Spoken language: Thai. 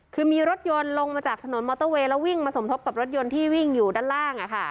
คือมีรถยนต์ลงมาจากถนนมอเตอร์เวย์แล้ววิ่งมาสมทบกับรถยนต์ที่วิ่งอยู่ด้านล่าง